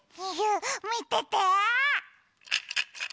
みてて！